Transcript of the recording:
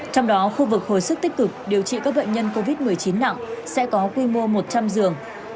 trong đó khu vực hồi sức tích cực điều trị các bệnh nhân covid một mươi chín nặng sẽ có quy mô một trăm linh giường